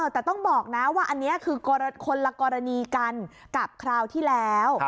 แต่ต้องบอกนะว่าอันนี้คือคนละกรณีกันกับคราวที่แล้ว